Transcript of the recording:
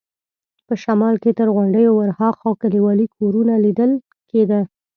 په شمال کې تر غونډیو ورهاخوا کلیوالي کورونه لیدل کېده.